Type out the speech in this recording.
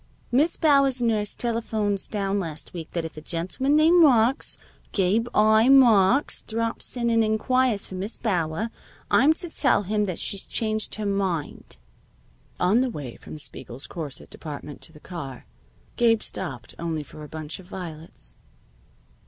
"Miss Bauer's nurse telephones down last week that if a gentleman named Marks Gabe I. Marks drops in and inquires for Miss Bauer, I'm to tell him that she's changed her mind." On the way from Spiegel's corset department to the car, Gabe stopped only for a bunch of violets.